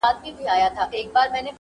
اوس په ساندو كيسې وزي له كابله.!